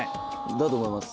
だと思います。